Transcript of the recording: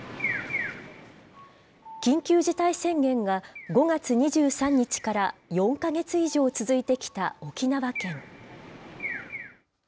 緊急事態宣言が５月２３日から４か月以上続いてきた沖縄県。